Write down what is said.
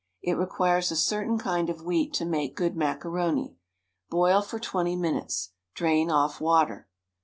It requires a certain kind of wheat to make good macaroni. Boil for twenty minutes. Drain off water.